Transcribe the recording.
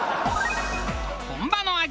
本場の味